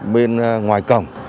bên ngoài cổng